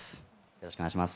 よろしくお願いします